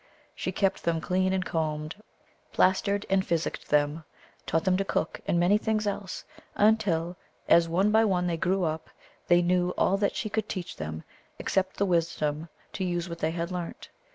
She kept them clean and combed; plastered and physicked them; taught them to cook, and many things else, until, as one by one they grew up, they knew all that she could teach them, except the wisdom to use what they had learnt.